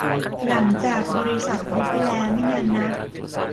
หลังจากบริษัทลุกไปแล้วไม่นานนัก